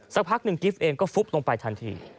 สักพักหนึ่งกิฟต์เองก็ฟุบลงไปทันที